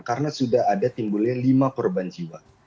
karena sudah ada timbulnya lima korban jiwa